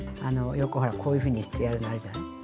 あのよくほらこういうふうにしてやるのあるじゃない？